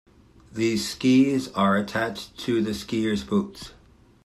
These skis are attached to the skiers' boots.